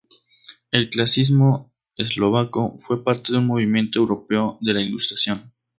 El clasicismo eslovaco fue parte de un movimiento europeo de la Ilustración.